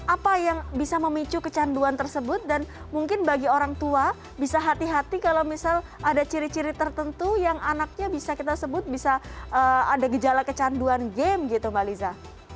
apa yang bisa memicu kecanduan tersebut dan mungkin bagi orang tua bisa hati hati kalau misal ada ciri ciri tertentu yang anaknya bisa kita sebut bisa ada gejala kecanduan game gitu mbak liza